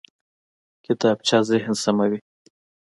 کتابچه ذهن سموي